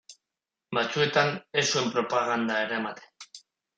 Batzuetan ez zuen propaganda eramaten.